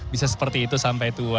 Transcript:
bisa seperti itu sampai tua